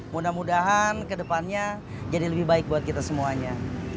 mudah mudahan kedepannya jadi lebih baik buat kita semuanya